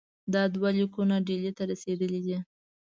دا دوه لیکونه ډهلي ته رسېدلي دي.